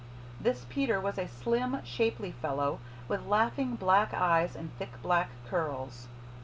This Peter was a slim, shapely fellow, with laughing black eyes and thick black curls.